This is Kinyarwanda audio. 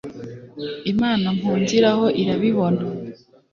imana mpungiraho irabibona